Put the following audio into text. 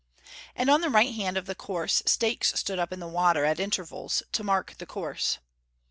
And on the right hand of the course stakes stood up in the water, at intervals, to mark the course.